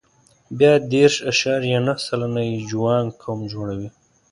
بیا دېرش اعشاریه نهه سلنه یې جوانګ قوم جوړوي.